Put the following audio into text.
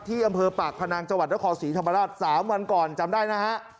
อำเภอปากพนังจังหวัดนครศรีธรรมราช๓วันก่อนจำได้นะฮะ